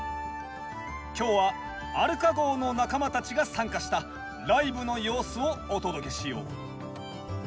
今日はアルカ号の仲間たちが参加したライブの様子をお届けしよう。